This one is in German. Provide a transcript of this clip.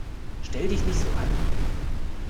Stell dich nicht so an!